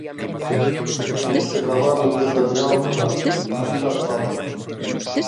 Tiñamos que gravar nun determinado lugar: a vila de Bauta.